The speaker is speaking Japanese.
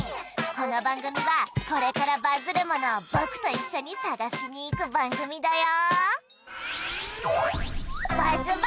この番組はこれからバズるものを僕と一緒に探しに行く番組だよ